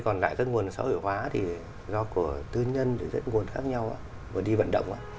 còn lại các nguồn xã hội hóa thì do của tư nhân thì các nguồn khác nhau mà đi vận động